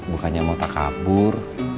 bukannya mau takabur